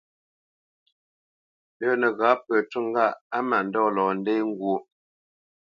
Lə́ nəghǎ pə ncû ŋgâʼ á mândɔ̂ lɔ ndê ŋgwóʼ.